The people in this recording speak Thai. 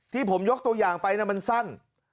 ที่ผมยกตัวอย่างไปมันสั้น